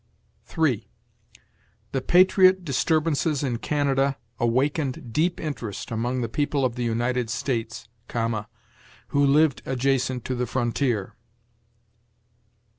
3. 'The patriot disturbances in Canada ... awakened deep interest among the people of the United States(,) who lived adjacent to the frontier.'